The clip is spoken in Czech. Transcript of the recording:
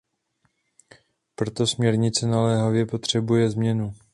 Proto směrnice naléhavě potřebuje změnu.